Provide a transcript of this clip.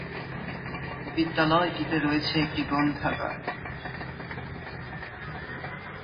বিদ্যালয়টিতে রয়েছে একটি গ্রন্থাগার।